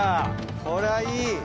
これはいい。